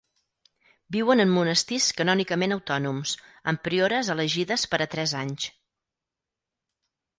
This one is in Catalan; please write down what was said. Viuen en monestirs canònicament autònoms, amb priores elegides per a tres anys.